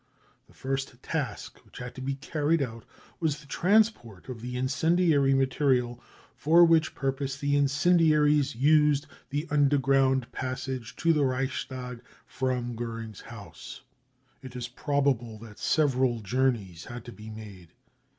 The first task which had to be carried out was the transport of the incendiary material, for which purpose the incendiaries used the underground passage to the Reichstag from Goering's house. It is probable that several journeys had to be made.